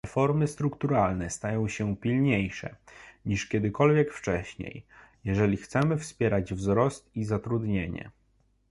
Reformy strukturalne stają się pilniejsze, niż kiedykolwiek wcześniej, jeżeli chcemy wspierać wzrost i zatrudnienie